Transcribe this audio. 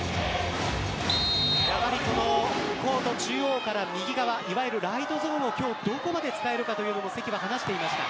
やはりコート中央から右側いわゆるライトゾーンも今日はどこまで使えるかと関が話していました。